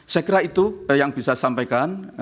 saya kira itu yang bisa disampaikan